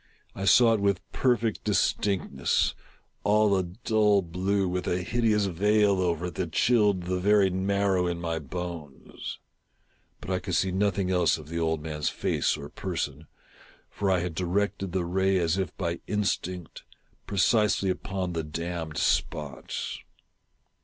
I saw it with perfect distinctness — all a dull blue, with a hideous veil over it that chilled the very marrow in my bones ; but I could see nothing else of the 572 THE TELL TALE HEART. old man's face or person : for I had directed the ray as if by instinct, precisely upon the damned spot.